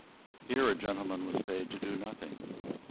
Here a gentleman was paid to do nothing.